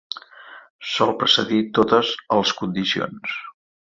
Sol precedir totes els condicions.